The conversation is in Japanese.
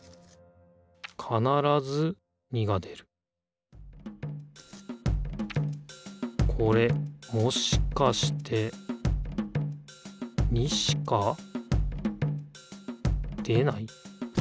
かならず２が出るこれもしかして２しか出ない？